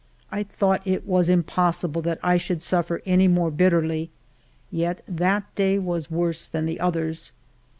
I thought it was impossible that I should suffer any more bitterly, yet that day was worse than the others.